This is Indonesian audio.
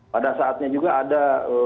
pada saatnya juga ada